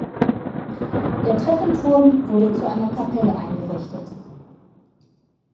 Der Treppenturm wurde zu einer Kapelle eingerichtet.